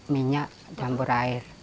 minyak campur air